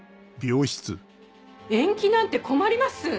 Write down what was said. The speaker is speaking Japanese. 延期なんて困ります！